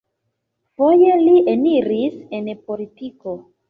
Foje li eniris en politiko.